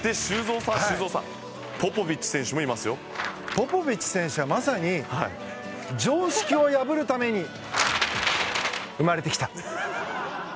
ポポビッチ選手はまさに常識を破るために生まれてきた。